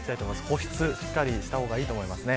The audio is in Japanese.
保湿をしっかりした方がいいと思います。